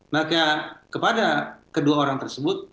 maka kepada kedua orang tersebut